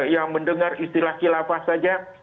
yang mendengar istilah khilafah saja